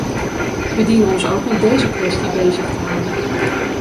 We dienen ons ook met deze kwestie bezig te houden.